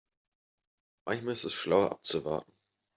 Manchmal ist es schlauer abzuwarten.